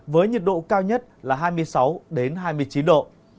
với nhiệt độ cao nhất là hai mươi sáu hai mươi chín độ